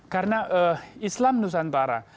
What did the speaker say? karena islam nusantara